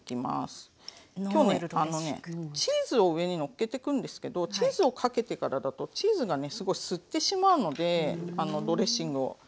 きょうねチーズを上にのっけてくんですけどチーズをかけてからだとチーズがすごい吸ってしまうのでドレッシングを。